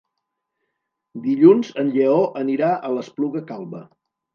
Dilluns en Lleó anirà a l'Espluga Calba.